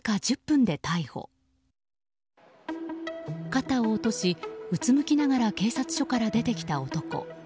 肩を落としうつむきながら警察署から出てきた男。